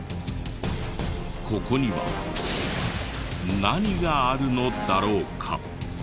ここには何があるのだろうか？